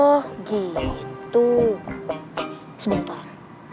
oh gitu sebentar